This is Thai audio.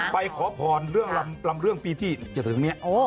ไปขอผอนระมเรื่องปีที่จากซึ่งนี้